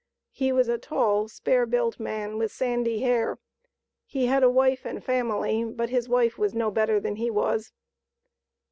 He was a tall, spare built man, with sandy hair. He had a wife and family, but his wife was no better than he was."